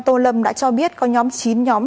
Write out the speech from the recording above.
tô lâm đã cho biết có nhóm chín nhóm